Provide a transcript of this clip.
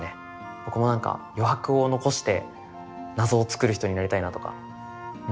僕もなんか余白を残して謎を作る人になりたいなとか。